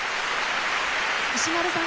石丸さん